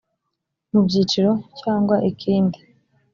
mu byiciro cyangwa ikindi